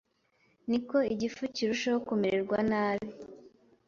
ni ko igifu kirushaho kumererwa nabi.